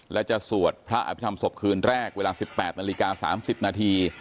และจะสวดพระอภิษฐรรศพคืนแรกเวลา๑๘นาฬิกา๓๐นาที